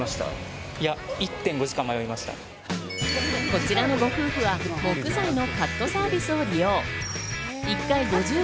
こちらのご夫婦は、木材のカットサービスを利用。